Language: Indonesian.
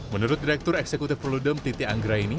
menurut direktur eksekutif perludem titi anggra ini